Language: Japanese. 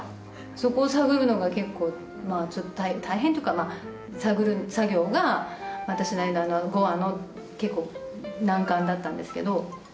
そこを探るのが結構大変というか探る作業が私なりの５話の難関だったんですけど。